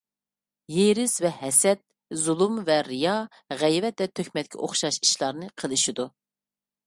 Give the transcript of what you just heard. ھېرىس ۋە ھەسەت، زۇلۇم ۋە رىيا، غەيۋەت ۋە تۆھمەتكە ئوخشاش ئىشلارنى قىلىشىدۇ.